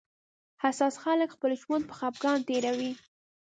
حساس خلک خپل ژوند په خپګان تېروي